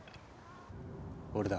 俺だ。